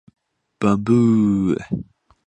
私は鳥のように飛びたい。